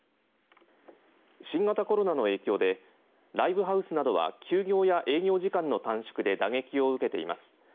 新型コロナの影響でライブハウスなどは休業や営業時間の短縮で打撃を受けています。